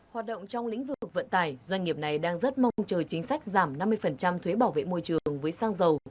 hoạt động trong lĩnh vực vận tải doanh nghiệp này đang rất mong chờ chính sách giảm năm mươi thuế bảo vệ môi trường với xăng dầu